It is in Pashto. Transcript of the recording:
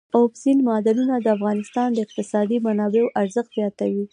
اوبزین معدنونه د افغانستان د اقتصادي منابعو ارزښت زیاتوي.